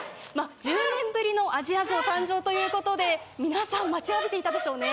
１０年ぶりのアジアゾウ誕生ということで皆さん、待ちわびていたでしょうね？